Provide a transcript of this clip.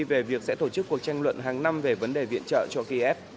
về việc sẽ tổ chức cuộc tranh luận hàng năm về vấn đề viện trợ cho kiev